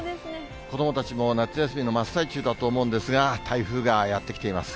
子どもたちも夏休みの真っ最中だと思うんですが、台風がやって来ています。